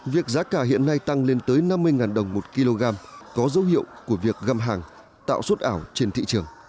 việc giá cả hiện nay tăng lên tới năm mươi đồng một kg có dấu hiệu của việc găm hàng tạo xuất ảo trên thị trường